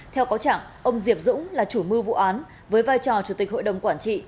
theo cáo trạng ông diệp dũng là chủ mưu vụ án với vai trò chủ tịch hội đồng quản trị